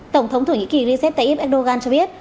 tổng thống thủy nghĩ kỳ recep tayyip erdogan cho biết